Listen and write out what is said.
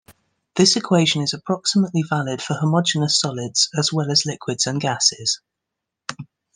This equation is approximately valid for homogeneous solids as well as liquids and gasses.